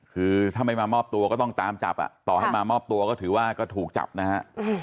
คือถ้าไม่มามอบตัวก็ต้องตามจับต่อให้มามอบตัวก็ถือว่าก็ถูกจับนะฮะ